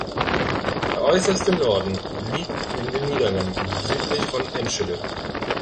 Der äußerste Norden liegt in den Niederlanden, südlich von Enschede.